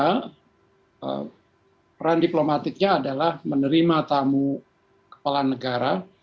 karena peran diplomatiknya adalah menerima tamu kepala negara